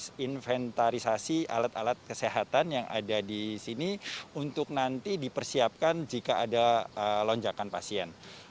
proses inventarisasi alat alat kesehatan yang ada di sini untuk nanti dipersiapkan jika ada lonjakan pasien